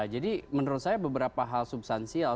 menurut saya beberapa hal substansial